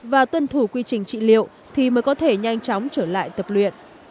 và tuân thủ quy trình trị liệu thì mới có thể nhanh chóng trở lại tập luyện